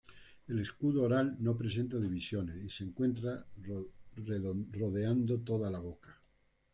El escudo oral no presenta divisiones, y se encuentra rodeando toda la boca.